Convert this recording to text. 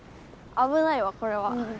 危ないわこれは。